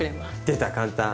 出た簡単。